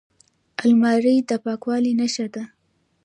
الماري د پاکوالي نښه ده